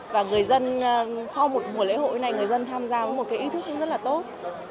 và người dân sau một mùa lễ hội này người dân tham gia có một cái ý thức rất là tốt